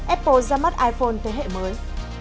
apple ra mắt iphone thế hệ mới